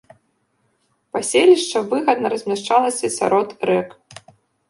Паселішча выгадна размяшчалася сярод рэк.